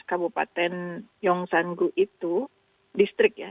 kabupaten yongsan gu itu distrik ya